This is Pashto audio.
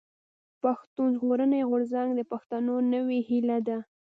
پښتون ژغورني غورځنګ د پښتنو نوې هيله ده.